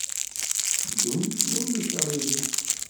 Ddumt, ma ulac aɣilif.